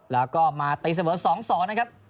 แล้วก็มาตีเสมอสองสองนะครับ